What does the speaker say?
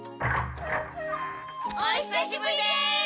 おひさしぶりです！